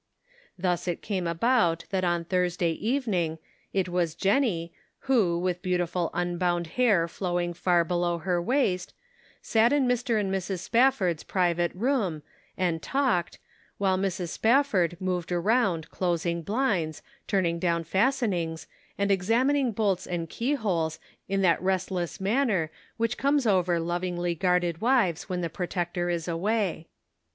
Thus it came about that on Thursday evening it was Jennie, who, with beautiful unbound hair flowing far below her waist, sat in Mr. and Mrs. Spafford's private room and talked, while Mrs. Spafford moved around closing blinds, turning down fastenings, and examining bolts and key holes in that restless manner which comes over lov ingly guarded wives ^when the protector is away.